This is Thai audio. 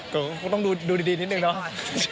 ก็ต้องดูดีนิดนึงเนาะ